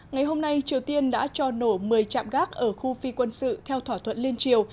ngày hôm nay triều tiên đã cho nổ một mươi trạm gác ở khu phi quân sự theo thỏa thuận liên triều